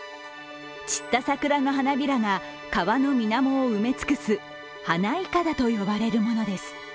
散った桜の花びらが川の水面を埋め尽くす花いかだと呼ばれるものです。